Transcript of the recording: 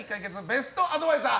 ベストアドバイザー